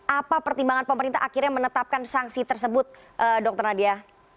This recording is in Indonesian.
apa pertimbangan pemerintah akhirnya menetapkan sanksi tersebut dr nadia